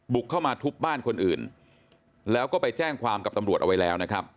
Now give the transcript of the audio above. เข้ามาทุบบ้านคนอื่นแล้วก็ไปแจ้งความกับตำรวจเอาไว้แล้วนะครับ